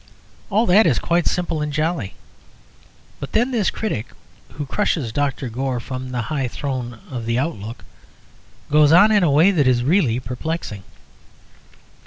All that is quite simple and jolly. But then this critic, who crushes Dr. Gore from the high throne of the Outlook, goes on in a way that is really perplexing.